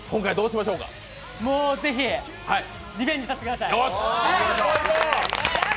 もうぜひリベンジさせてください。